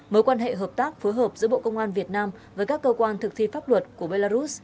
mối quan hệ hợp tác phối hợp giữa bộ công an việt nam với các cơ quan thực thi pháp luật của belarus